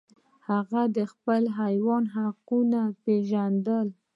هغه د خپل حیوان حقونه پیژندل.